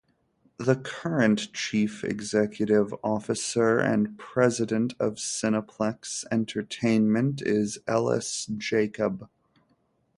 The current Chief Executive Officer and President of Cineplex Entertainment is Ellis Jacob.